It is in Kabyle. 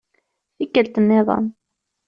Tikkelt-nniḍen.